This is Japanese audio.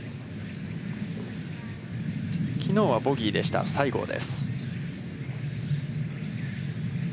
きのうはボギーでした、西郷です。